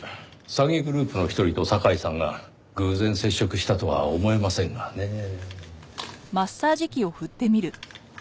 詐欺グループの一人と酒井さんが偶然接触したとは思えませんがねぇ。